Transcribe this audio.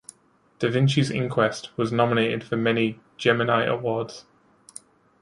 "Da Vinci's Inquest" was nominated for many Gemini Awards.